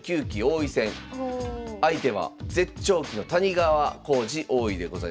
相手は絶頂期の谷川浩司王位でございました。